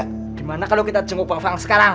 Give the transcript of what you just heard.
bagaimana kalau kita cengkuk bang faang sekarang